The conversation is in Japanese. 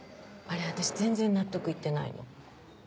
あれ私全然納得行ってないの。